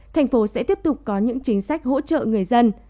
thành phố sẽ tiếp tục có những chính sách hỗ trợ người dân